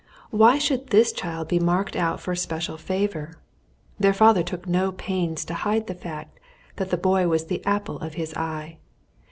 Why should this child be marked out for special favour? Their father took no pains to hide the fact that the boy was the apple of his eye.